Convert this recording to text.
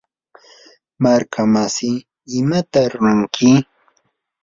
markamasi, ¿imata ruranki?